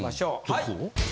はい！